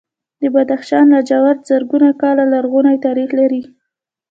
د بدخشان لاجورد زرګونه کاله لرغونی تاریخ لري.